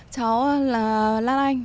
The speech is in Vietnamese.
cháu là lan anh